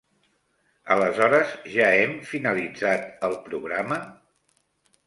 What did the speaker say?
Aleshores ja hem finalitzat el programa?